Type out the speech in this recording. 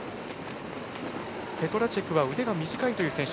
ペトラチェクは腕が短い選手。